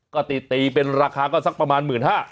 ก็ตีตีเป็นราคาก็สักประมาณ๑๕๐๐บาท